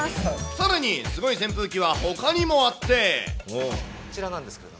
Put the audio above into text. さらにすごい扇風機はほかにこちらなんですけど。